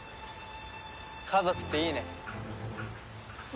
家族っていいね。